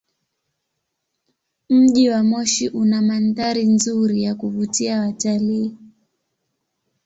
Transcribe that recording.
Mji wa Moshi una mandhari nzuri ya kuvutia watalii.